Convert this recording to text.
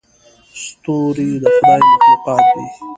ستوري د خدای مخلوقات دي.